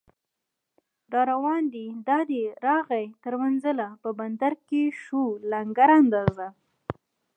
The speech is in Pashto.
راروان دی دا دی راغی تر منزله، په بندر کې شو لنګر اندازه